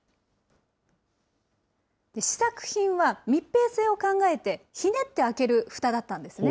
試作品は密閉性を考えて、ひねって開けるふただったんですね。